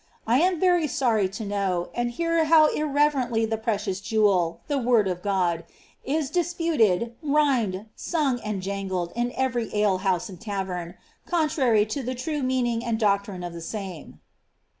I am very sorry to know, and hear how irreverently that precious jewel, the Word of God, is disputed, rhymed, sung, and jangled in every ale house and tavern, contrary to the true meaning and doctrine of the •me."